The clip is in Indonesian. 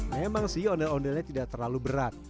memang sih ondel ondelnya tidak terlalu berat